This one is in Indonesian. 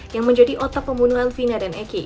yang menjadi otak pembunuhan vina dan eki